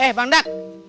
eh bang dak